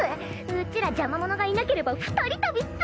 うちら邪魔者がいなければ二人旅っス！